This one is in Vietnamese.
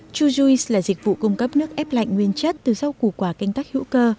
chujuice là dịch vụ cung cấp nước ép lạnh nguyên chất từ rau củ quả canh tác hữu cơ